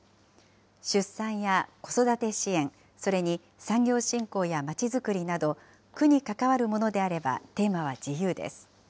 出産や子育て支援、それに産業振興やまちづくりなど、区に関わるものであれば、テーマは自由です。